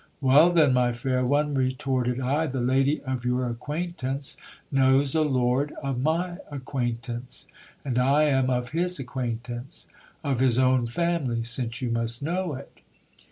Well then, my fair one, re torted I, the lady of your acquaintance knows a lord of my ac quaintance and I am of his acquaintance ; of his own family, since you must know it.